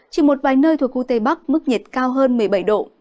chỉ một vài nơi thuộc khu tây bắc mức nhiệt cao hơn một mươi bảy độ